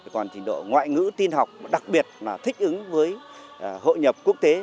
còn trình độ ngoại ngữ tin học đặc biệt là thích ứng với hội nhập quốc tế